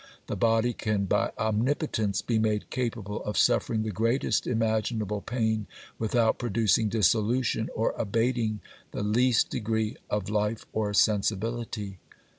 The body can by omnipotence be made capable of suffering the greatest imaginable pain without producing dissolution, or abating the least degree of life or sensibility....